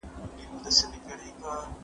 ګلرخ